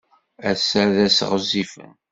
Ass-a d ass ɣezzifen.